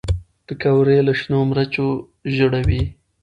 پکورې له شنو مرچو ژړوي